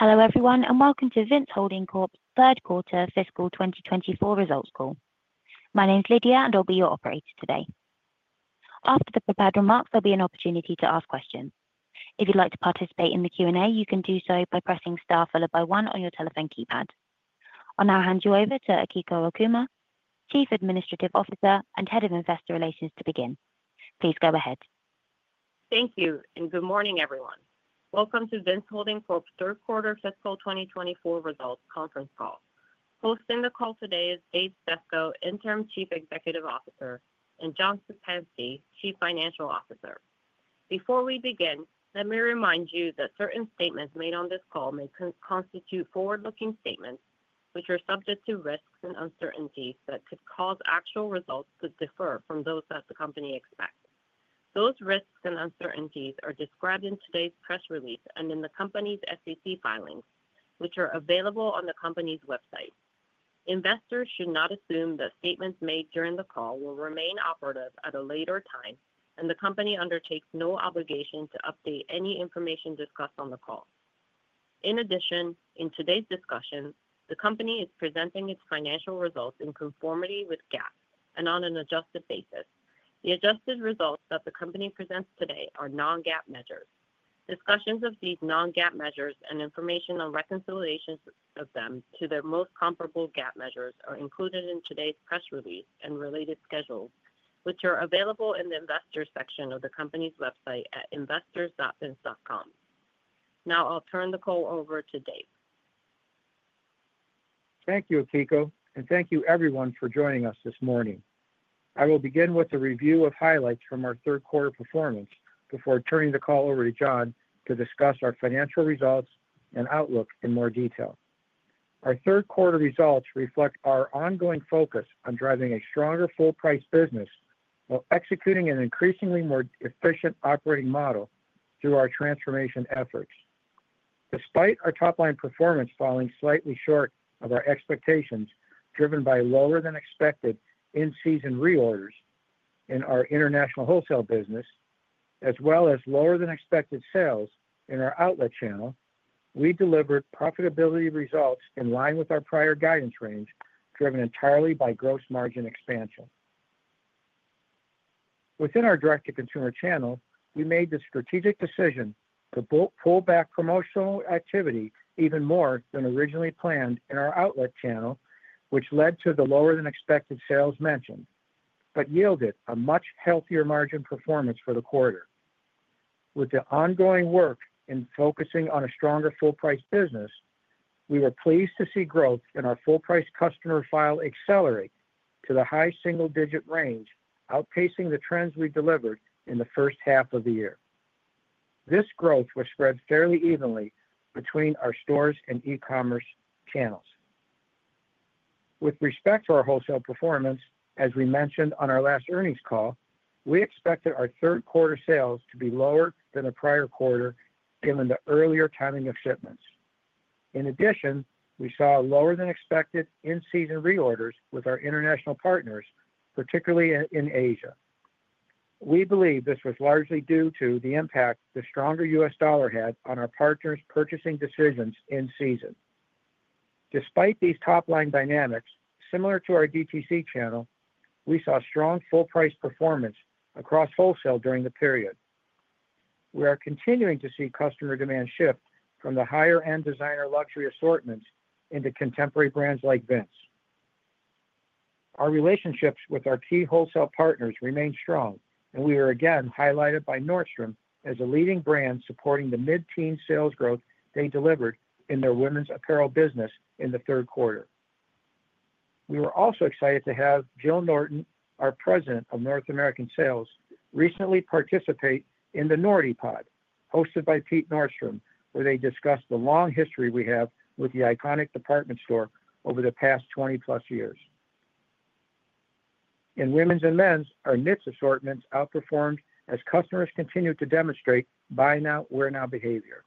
Hello everyone, and welcome to Vince Holding Corp.'s Third Quarter Fiscal 2024 Results Call. My name's Lydia, and I'll be your operator today. After the prepared remarks, there'll be an opportunity to ask questions. If you'd like to participate in the Q&A, you can do so by pressing star followed by one on your telephone keypad. I'll now hand you over to Akiko Okuma, Chief Administrative Officer and Head of Investor Relations, to begin. Please go ahead. Thank you, and good morning everyone. Welcome to Vince Holding Corp.'s Third Quarter Fiscal 2024 Results Conference Call. Hosting the call today is Dave Stefko, Interim Chief Executive Officer, and John Szczepanski, Chief Financial Officer. Before we begin, let me remind you that certain statements made on this call may constitute forward-looking statements, which are subject to risks and uncertainties that could cause actual results to differ from those that the company expects. Those risks and uncertainties are described in today's press release and in the company's SEC filings, which are available on the company's website. Investors should not assume that statements made during the call will remain operative at a later time, and the company undertakes no obligation to update any information discussed on the call. In addition, in today's discussion, the company is presenting its financial results in conformity with GAAP and on an adjusted basis. The adjusted results that the company presents today are non-GAAP measures. Discussions of these non-GAAP measures and information on reconciliations of them to their most comparable GAAP measures are included in today's press release and related schedules, which are available in the investors' section of the company's website at investors.vince.com. Now I'll turn the call over to Dave. Thank you, Akiko, and thank you everyone for joining us this morning. I will begin with a review of highlights from our third quarter performance before turning the call over to John to discuss our financial results and outlook in more detail. Our third quarter results reflect our ongoing focus on driving a stronger full-price business while executing an increasingly more efficient operating model through our transformation efforts. Despite our top-line performance falling slightly short of our expectations, driven by lower-than-expected in-season reorders in our international wholesale business, as well as lower-than-expected sales in our outlet channel, we delivered profitability results in line with our prior guidance range, driven entirely by gross margin expansion. Within our direct-to-consumer channel, we made the strategic decision to pull back promotional activity even more than originally planned in our outlet channel, which led to the lower-than-expected sales mentioned, but yielded a much healthier margin performance for the quarter. With the ongoing work in focusing on a stronger full-price business, we were pleased to see growth in our full-price customer file accelerate to the high single-digit range, outpacing the trends we delivered in the first half of the year. This growth was spread fairly evenly between our stores and e-commerce channels. With respect to our wholesale performance, as we mentioned on our last earnings call, we expected our third quarter sales to be lower than the prior quarter given the earlier timing of shipments. In addition, we saw lower-than-expected in-season reorders with our international partners, particularly in Asia. We believe this was largely due to the impact the stronger U.S. dollar had on our partners' purchasing decisions in season. Despite these top-line dynamics, similar to our DTC channel, we saw strong full-price performance across wholesale during the period. We are continuing to see customer demand shift from the higher-end designer luxury assortments into contemporary brands like Vince. Our relationships with our key wholesale partners remain strong, and we were again highlighted by Nordstrom as a leading brand supporting the mid-teen sales growth they delivered in their women's apparel business in the third quarter. We were also excited to have Jill Norton, our President of North American Sales, recently participate in the Nordy Pod hosted by Pete Nordstrom, where they discussed the long history we have with the iconic Department Store over the past 20-plus years. In women's and men's, our Knits assortments outperformed as customers continued to demonstrate buy now, wear now behavior.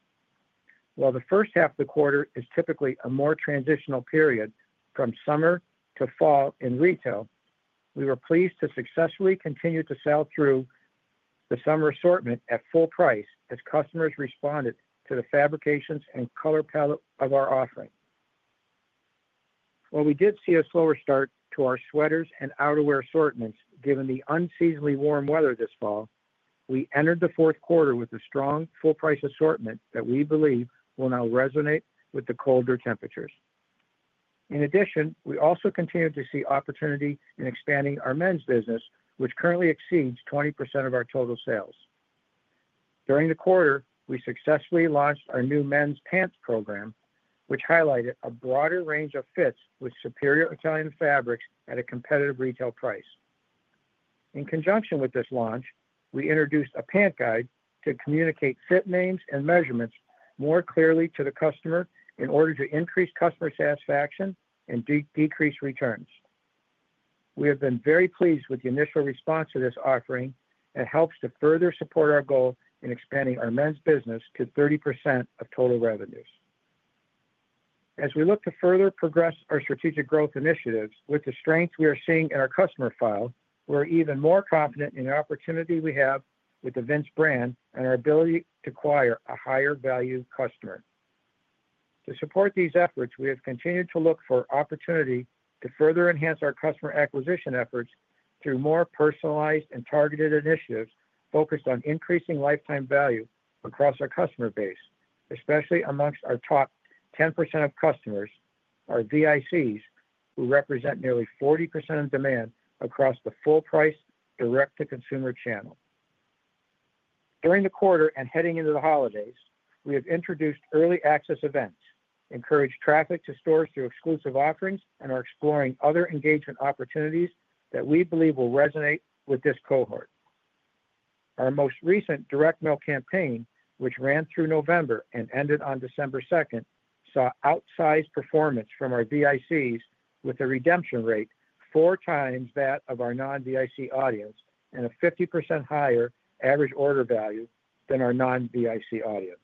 While the first half of the quarter is typically a more transitional period from summer to fall in retail, we were pleased to successfully continue to sell through the summer assortment at full price as customers responded to the fabrications and color palette of our offering. While we did see a slower start to our sweaters and outerwear assortments given the unseasonably warm weather this fall, we entered the fourth quarter with a strong full-price assortment that we believe will now resonate with the colder temperatures. In addition, we also continued to see opportunity in expanding our men's business, which currently exceeds 20% of our total sales. During the quarter, we successfully launched our new men's pants program, which highlighted a broader range of fits with superior Italian fabrics at a competitive retail price. In conjunction with this launch, we introduced a pant guide to communicate fit names and measurements more clearly to the customer in order to increase customer satisfaction and decrease returns. We have been very pleased with the initial response to this offering. It helps to further support our goal in expanding our men's business to 30% of total revenues. As we look to further progress our strategic growth initiatives with the strengths we are seeing in our customer file, we're even more confident in the opportunity we have with the Vince brand and our ability to acquire a higher-value customer. To support these efforts, we have continued to look for opportunity to further enhance our customer acquisition efforts through more personalized and targeted initiatives focused on increasing lifetime value across our customer base, especially among our top 10% of customers, our VICs, who represent nearly 40% of demand across the full-price direct-to-consumer channel. During the quarter and heading into the holidays, we have introduced early access events, encouraged traffic to stores through exclusive offerings, and are exploring other engagement opportunities that we believe will resonate with this cohort. Our most recent direct mail campaign, which ran through November and ended on December 2nd, saw outsized performance from our VICs with a redemption rate four times that of our non-VIC audience and a 50% higher average order value than our non-VIC audience.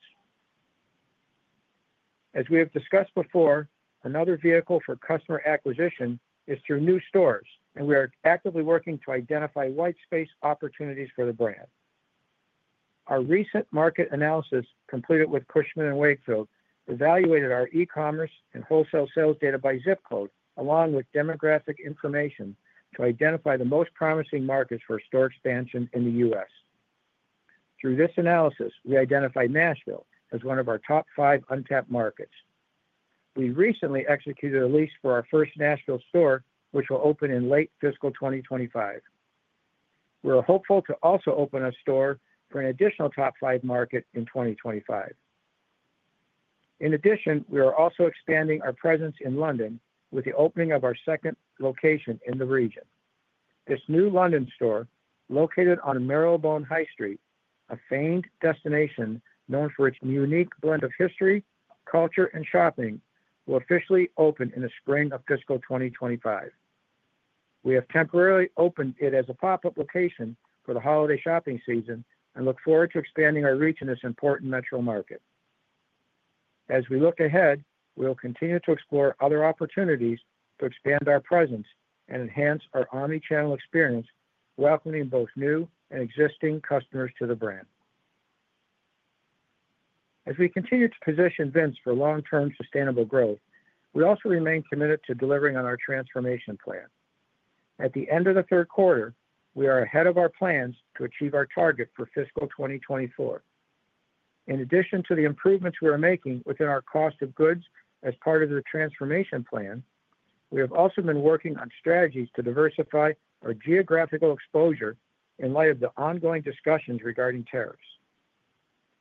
As we have discussed before, another vehicle for customer acquisition is through new stores, and we are actively working to identify white space opportunities for the brand. Our recent market analysis, completed with Cushman & Wakefield, evaluated our e-commerce and wholesale sales data by ZIP code, along with demographic information to identify the most promising markets for store expansion in the U.S. Through this analysis, we identified Nashville as one of our top five untapped markets. We recently executed a lease for our first Nashville store, which will open in late fiscal 2025. We're hopeful to also open a store for an additional top five market in 2025. In addition, we are also expanding our presence in London with the opening of our second location in the region. This new London store, located on Marylebone High Street, a famed destination known for its unique blend of history, culture, and shopping, will officially open in the spring of fiscal 2025. We have temporarily opened it as a pop-up location for the holiday shopping season and look forward to expanding our reach in this important metro market. As we look ahead, we'll continue to explore other opportunities to expand our presence and enhance our omnichannel experience, welcoming both new and existing customers to the brand. As we continue to position Vince for long-term sustainable growth, we also remain committed to delivering on our transformation plan. At the end of the third quarter, we are ahead of our plans to achieve our target for fiscal 2024. In addition to the improvements we are making within our cost of goods as part of the transformation plan, we have also been working on strategies to diversify our geographical exposure in light of the ongoing discussions regarding tariffs.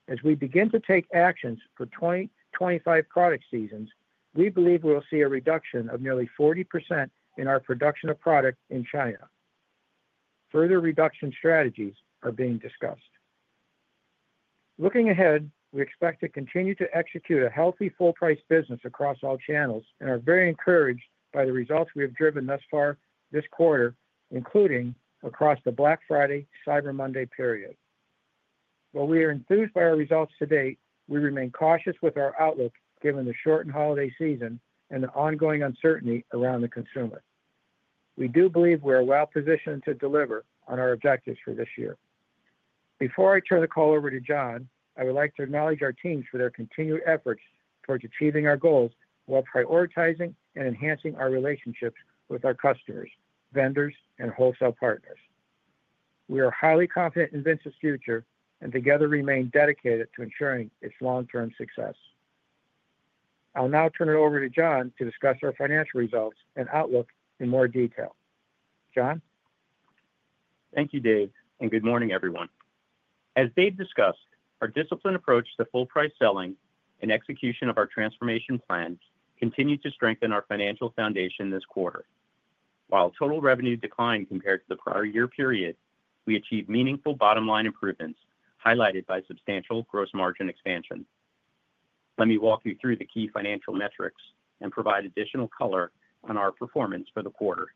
As we begin to take actions for 2025 product seasons, we believe we will see a reduction of nearly 40% in our production of product in China. Further reduction strategies are being discussed. Looking ahead, we expect to continue to execute a healthy full-price business across all channels and are very encouraged by the results we have driven thus far this quarter, including across the Black Friday Cyber Monday period. While we are enthused by our results to date, we remain cautious with our outlook given the shortened holiday season and the ongoing uncertainty around the consumer. We do believe we are well positioned to deliver on our objectives for this year. Before I turn the call over to John, I would like to acknowledge our teams for their continued efforts towards achieving our goals while prioritizing and enhancing our relationships with our customers, vendors, and wholesale partners. We are highly confident in Vince's future and together remain dedicated to ensuring its long-term success. I'll now turn it over to John to discuss our financial results and outlook in more detail. John? Thank you, Dave, and good morning, everyone. As Dave discussed, our disciplined approach to full-price selling and execution of our transformation plan continued to strengthen our financial foundation this quarter. While total revenue declined compared to the prior year period, we achieved meaningful bottom-line improvements highlighted by substantial gross margin expansion. Let me walk you through the key financial metrics and provide additional color on our performance for the quarter.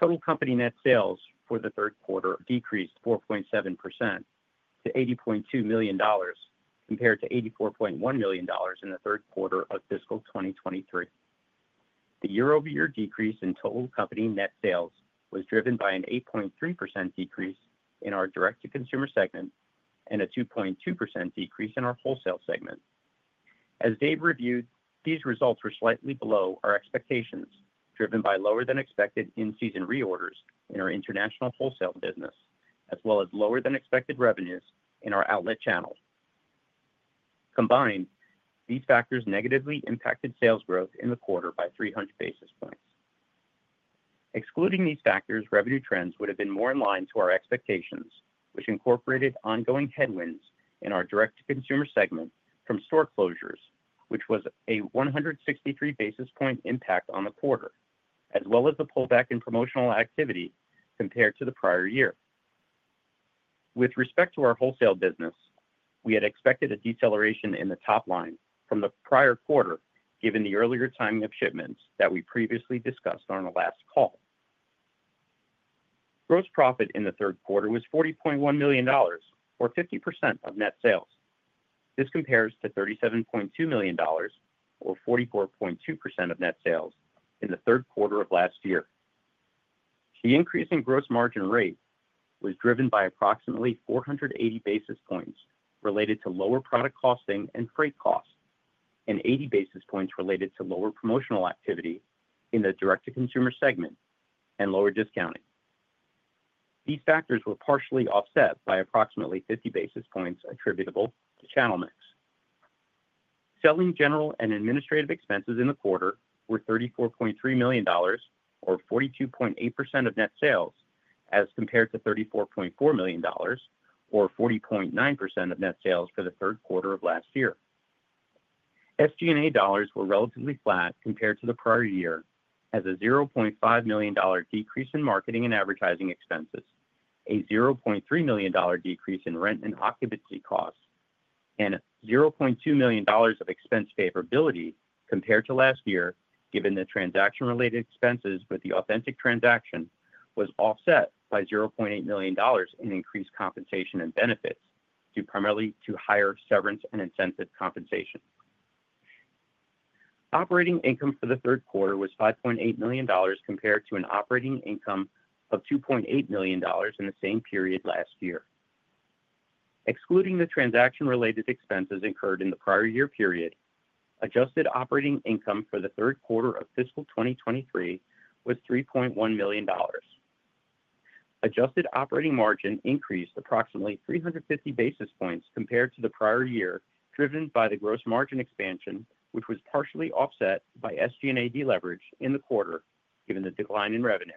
Total company net sales for the third quarter decreased 4.7% to $80.2 million compared to $84.1 million in the third quarter of fiscal 2023. The year-over-year decrease in total company net sales was driven by an 8.3% decrease in our direct-to-consumer segment and a 2.2% decrease in our wholesale segment. As Dave reviewed, these results were slightly below our expectations, driven by lower-than-expected in-season reorders in our international wholesale business, as well as lower-than-expected revenues in our outlet channel. Combined, these factors negatively impacted sales growth in the quarter by 300 basis points. Excluding these factors, revenue trends would have been more in line to our expectations, which incorporated ongoing headwinds in our direct-to-consumer segment from store closures, which was a 163 basis point impact on the quarter, as well as the pullback in promotional activity compared to the prior year. With respect to our wholesale business, we had expected a deceleration in the top line from the prior quarter given the earlier timing of shipments that we previously discussed on the last call. Gross profit in the third quarter was $40.1 million, or 50% of net sales. This compares to $37.2 million, or 44.2% of net sales, in the third quarter of last year. The increase in gross margin rate was driven by approximately 480 basis points related to lower product costing and freight costs and 80 basis points related to lower promotional activity in the direct-to-consumer segment and lower discounting. These factors were partially offset by approximately 50 basis points attributable to channel mix. Selling, general, and administrative expenses in the quarter were $34.3 million, or 42.8% of net sales, as compared to $34.4 million, or 40.9% of net sales for the third quarter of last year. SG&A dollars were relatively flat compared to the prior year, as a $0.5 million decrease in marketing and advertising expenses, a $0.3 million decrease in rent and occupancy costs, and $0.2 million of expense favorability compared to last year, given the transaction-related expenses with the Authentic transaction, was offset by $0.8 million in increased compensation and benefits primarily to higher severance and incentive compensation. Operating income for the third quarter was $5.8 million compared to an operating income of $2.8 million in the same period last year. Excluding the transaction-related expenses incurred in the prior year period, adjusted operating income for the third quarter of fiscal 2023 was $3.1 million. Adjusted operating margin increased approximately 350 basis points compared to the prior year, driven by the gross margin expansion, which was partially offset by SG&A deleverage in the quarter, given the decline in revenue.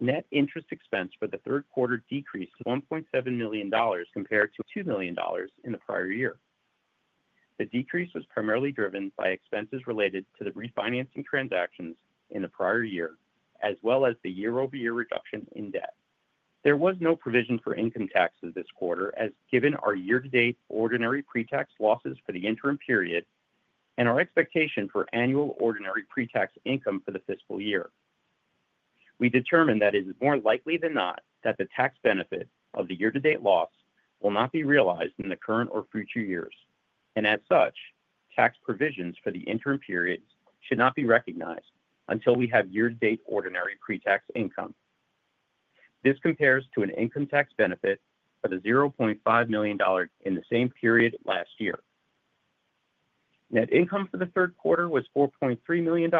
Net interest expense for the third quarter decreased $1.7 million compared to $2 million in the prior year. The decrease was primarily driven by expenses related to the refinancing transactions in the prior year, as well as the year-over-year reduction in debt. There was no provision for income taxes this quarter, as given our year-to-date ordinary pre-tax losses for the interim period and our expectation for annual ordinary pre-tax income for the fiscal year. We determined that it is more likely than not that the tax benefit of the year-to-date loss will not be realized in the current or future years, and as such, tax provisions for the interim periods should not be recognized until we have year-to-date ordinary pre-tax income. This compares to an income tax benefit of $0.5 million in the same period last year. Net income for the third quarter was $4.3 million,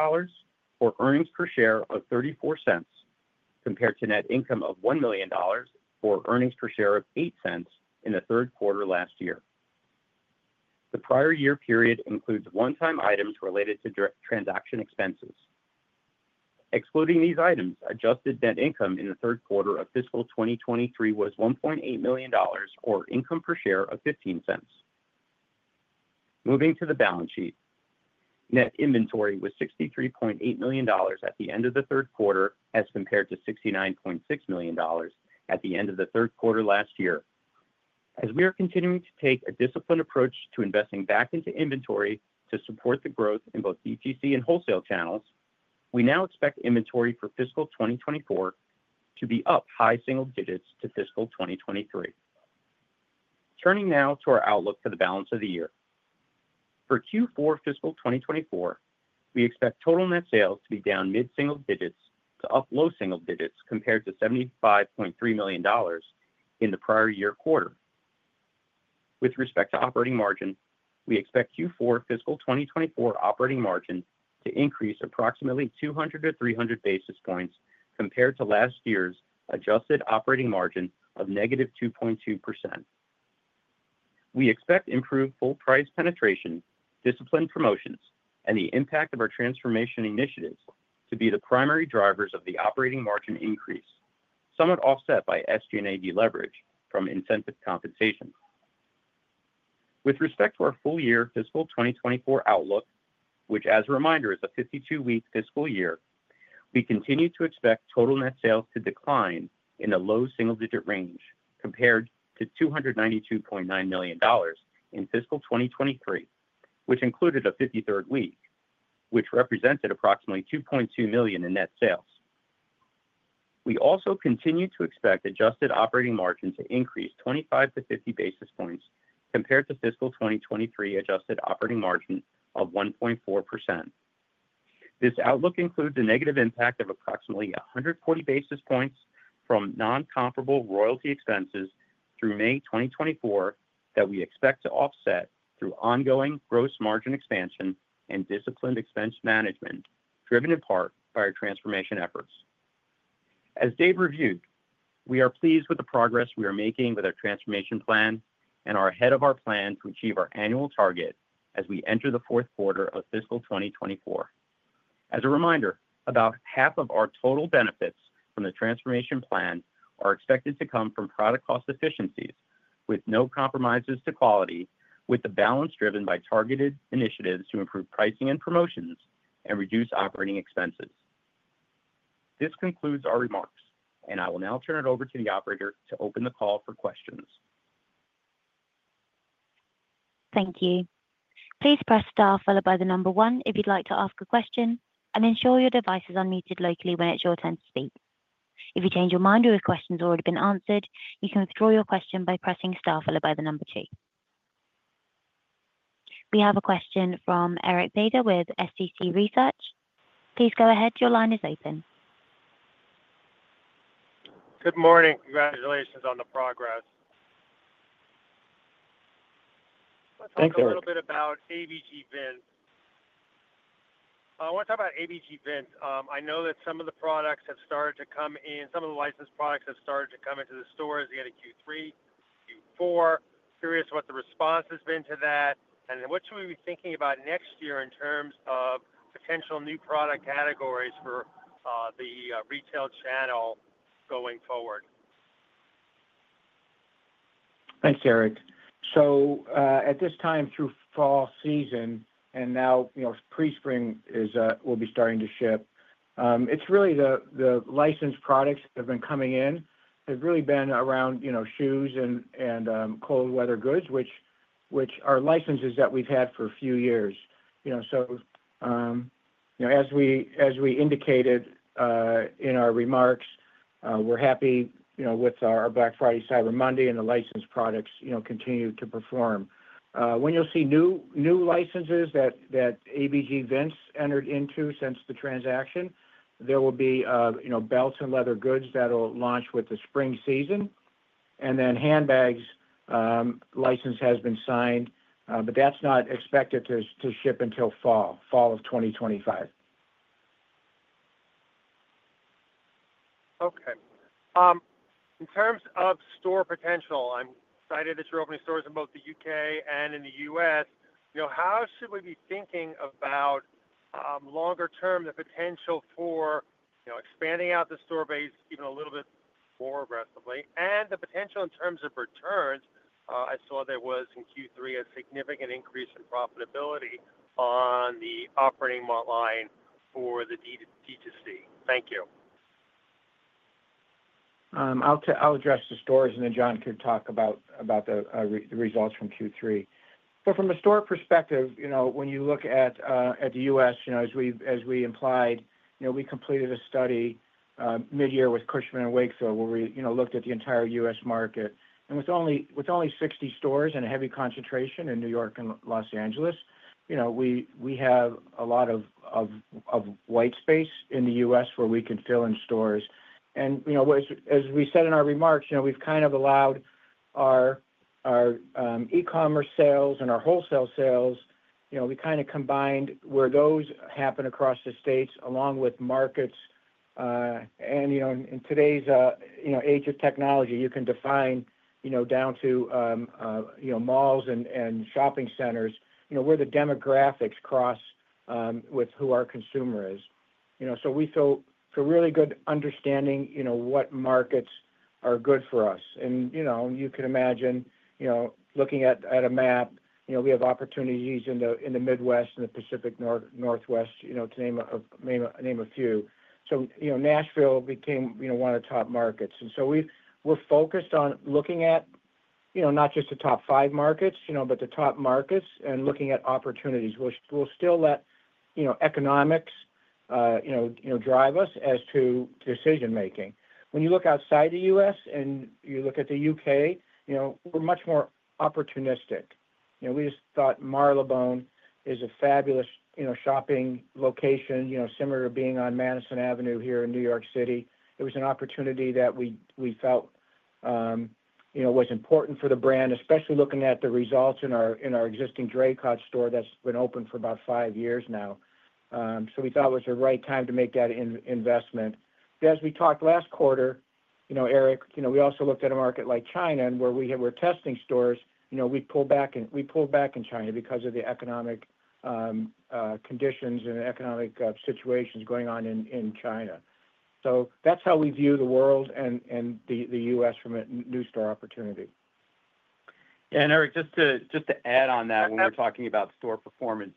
or earnings per share of $0.34, compared to net income of $1 million or earnings per share of $0.08 in the third quarter last year. The prior year period includes one-time items related to direct transaction expenses. Excluding these items, adjusted net income in the third quarter of fiscal 2023 was $1.8 million, or income per share of $0.15. Moving to the balance sheet, net inventory was $63.8 million at the end of the third quarter as compared to $69.6 million at the end of the third quarter last year. As we are continuing to take a disciplined approach to investing back into inventory to support the growth in both DTC and wholesale channels, we now expect inventory for fiscal 2024 to be up high single digits to fiscal 2023. Turning now to our outlook for the balance of the year. For Q4 fiscal 2024, we expect total net sales to be down mid-single digits to up low single digits compared to $75.3 million in the prior year quarter. With respect to operating margin, we expect Q4 fiscal 2024 operating margin to increase approximately 200 to 300 basis points compared to last year's adjusted operating margin of negative 2.2%. We expect improved full-price penetration, disciplined promotions, and the impact of our transformation initiatives to be the primary drivers of the operating margin increase, somewhat offset by SG&A deleverage from incentive compensation. With respect to our full year fiscal 2024 outlook, which, as a reminder, is a 52-week fiscal year, we continue to expect total net sales to decline in a low single-digit range compared to $292.9 million in fiscal 2023, which included a 53rd week, which represented approximately $2.2 million in net sales. We also continue to expect adjusted operating margin to increase 25 to 50 basis points compared to fiscal 2023 adjusted operating margin of 1.4%. This outlook includes a negative impact of approximately 140 basis points from non-comparable royalty expenses through May 2024 that we expect to offset through ongoing gross margin expansion and disciplined expense management, driven in part by our transformation efforts. As Dave reviewed, we are pleased with the progress we are making with our transformation plan and are ahead of our plan to achieve our annual target as we enter the fourth quarter of fiscal 2024. As a reminder, about half of our total benefits from the transformation plan are expected to come from product cost efficiencies with no compromises to quality, with the balance driven by targeted initiatives to improve pricing and promotions and reduce operating expenses. This concludes our remarks, and I will now turn it over to the operator to open the call for questions. Thank you. Please press Star followed by the number one if you'd like to ask a question, and ensure your device is unmuted locally when it's your turn to speak. If you change your mind or your question has already been answered, you can withdraw your question by pressing Star followed by the number two. We have a question from Eric Beder with Small Cap Consumer Research. Please go ahead. Your line is open. Good morning. Congratulations on the progress. Thanks, Eric. I want to talk a little bit about ABG Vince. I know that some of the products have started to come in. Some of the licensed products have started to come into the stores in Q3, Q4. Curious what the response has been to that, and what should we be thinking about next year in terms of potential new product categories for the retail channel going forward? Thanks, Eric. So at this time through fall season and now pre-spring will be starting to ship. It's really the licensed products that have been coming in. They've really been around shoes and cold-weather goods, which are licenses that we've had for a few years. So as we indicated in our remarks, we're happy with our Black Friday Cyber Monday and the licensed products continue to perform. When you'll see new licenses that ABG Vince's entered into since the transaction, there will be belt and leather goods that'll launch with the spring season, and then handbags license has been signed, but that's not expected to ship until fall, fall of 2025. Okay. In terms of store potential, I'm excited that you're opening stores in both the U.K. and in the U.S. How should we be thinking about longer-term the potential for expanding out the store base even a little bit more aggressively and the potential in terms of returns? I saw there was in Q3 a significant increase in profitability on the operating line for the DTC. Thank you. I'll address the stores, and then John could talk about the results from Q3. But from a store perspective, when you look at the U.S., as we implied, we completed a study mid-year with Cushman & Wakefield, where we looked at the entire U.S. market. And with only 60 stores and a heavy concentration in New York and Los Angeles, we have a lot of white space in the U.S. where we can fill in stores. And as we said in our remarks, we've kind of allowed our e-commerce sales and our wholesale sales, we kind of combined where those happen across the states along with markets. And in today's age of technology, you can define down to malls and shopping centers where the demographics cross with who our consumer is. So we feel it's a really good understanding what markets are good for us. You can imagine looking at a map, we have opportunities in the Midwest and the Pacific Northwest, to name a few. Nashville became one of the top markets. We're focused on looking at not just the top five markets, but the top markets and looking at opportunities. We'll still let economics drive us as to decision-making. When you look outside the U.S. and you look at the U.K., we're much more opportunistic. We just thought Marylebone is a fabulous shopping location, similar to being on Madison Avenue here in New York City. It was an opportunity that we felt was important for the brand, especially looking at the results in our existing Draycott store that's been open for about five years now. We thought it was the right time to make that investment. As we talked last quarter, Eric, we also looked at a market like China where we were testing stores. We pulled back in China because of the economic conditions and economic situations going on in China. So that's how we view the world and the U.S. from a new store opportunity. And Eric, just to add on that when we're talking about store performance.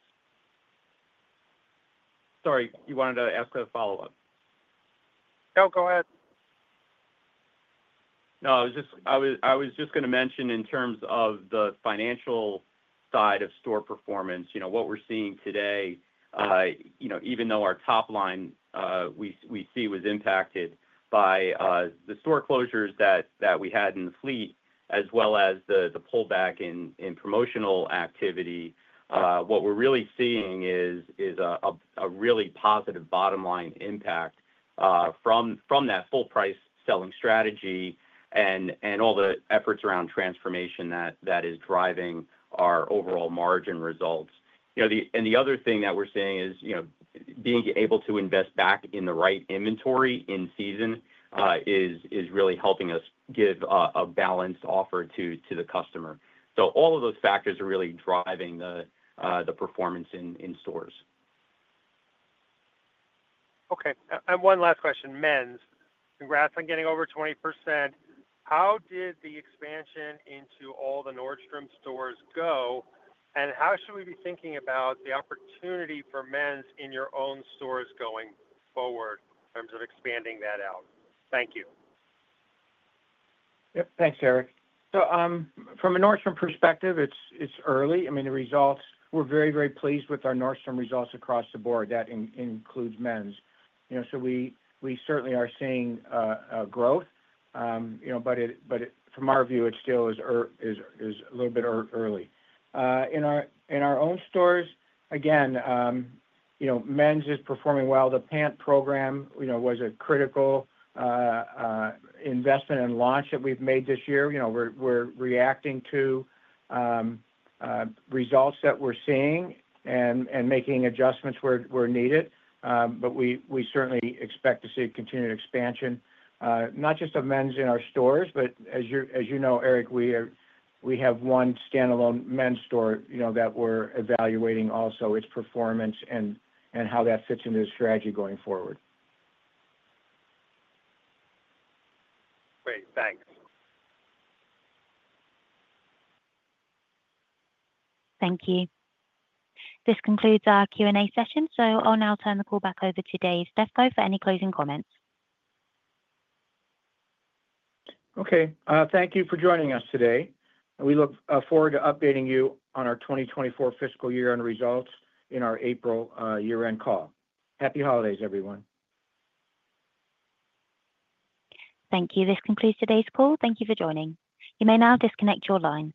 Sorry, you wanted to ask a follow-up. No, go ahead. No, I was just going to mention in terms of the financial side of store performance, what we're seeing today, even though our top line we see was impacted by the store closures that we had in the fleet, as well as the pullback in promotional activity, what we're really seeing is a really positive bottom line impact from that full-price selling strategy and all the efforts around transformation that is driving our overall margin results, and the other thing that we're seeing is being able to invest back in the right inventory in season is really helping us give a balanced offer to the customer, so all of those factors are really driving the performance in stores. Okay, and one last question, Men's. Congrats on getting over 20%. How did the expansion into all the Nordstrom stores go, and how should we be thinking about the opportunity for Men's in your own stores going forward in terms of expanding that out? Thank you. Yep. Thanks, Eric. So from a Nordstrom perspective, it's early. I mean, the results. We're very, very pleased with our Nordstrom results across the board. That includes Men's. So we certainly are seeing growth, but from our view, it still is a little bit early. In our own stores, again, Men's is performing well. The pants program was a critical investment and launch that we've made this year. We're reacting to results that we're seeing and making adjustments where needed, but we certainly expect to see continued expansion, not just of Men's in our stores, but as you know, Eric, we have one standalone Men's store that we're evaluating also. Its performance and how that fits into the strategy going forward. Great. Thanks. Thank you. This concludes our Q&A session. So I'll now turn the call back over to Dave Stefko for any closing comments. Okay. Thank you for joining us today. We look forward to updating you on our 2024 fiscal year-end results in our April year-end call. Happy holidays, everyone. Thank you. This concludes today's call. Thank you for joining. You may now disconnect your line.